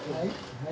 はい。